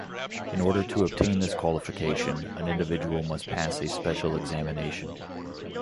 In order to obtain this qualification, an individual must pass a special examination.